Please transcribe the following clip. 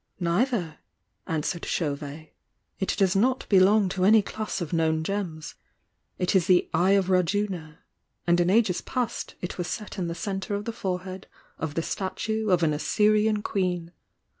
"Neither," answered Chauvet. "It does not be long to any class of known gems. It is the 'Eye of Raj una' — and in ages past it was set in the centre of the forehead of the statue of an Assyrian queen.